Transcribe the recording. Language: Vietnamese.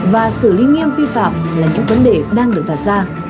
và xử lý nghiêm phi phạm là những vấn đề đang được thật ra